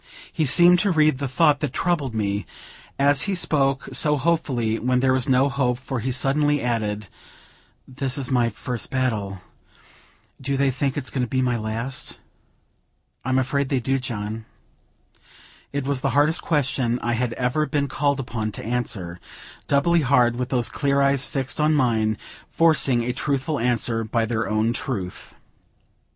He seemed to read the thought that troubled me, as he spoke so hopefully when there was no hope, for he suddenly added: "This is my first battle; do they think it's going to be my last?" "I'm afraid they do, John." It was the hardest question I had ever been called upon to answer; doubly hard with those clear eyes fixed on mine, forcing a truthful answer by their own truth.